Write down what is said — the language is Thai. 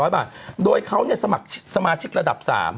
๑๖๘๐๐บาทโดยเขาเนี่ยสมัครสมาชิกระดับ๓